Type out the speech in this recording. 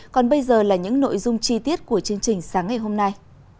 còn bây giờ là những nội dung chi tiết của chương trình sáng ngày hôm nay